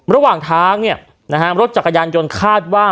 ระหว่างทางเนี่ยนะฮะรถจักรยานยนต์คาดว่า